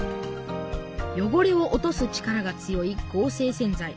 汚れを落とす力が強い合成洗剤。